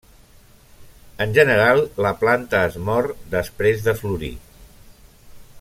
En general, la planta es mor després de florir.